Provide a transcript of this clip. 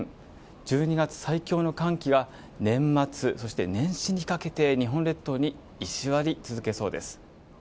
１２月最強の寒気は年末、そして年始にかけて日本列島に居座り続けそうです。